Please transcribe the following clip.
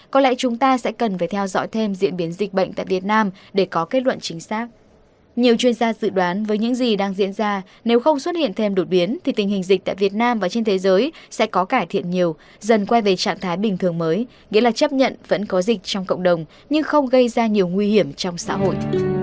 chuyên gia dự đoán với những gì đang diễn ra nếu không xuất hiện thêm đột biến thì tình hình dịch tại việt nam và trên thế giới sẽ có cải thiện nhiều dần quay về trạng thái bình thường mới nghĩa là chấp nhận vẫn có dịch trong cộng đồng nhưng không gây ra nhiều nguy hiểm trong xã hội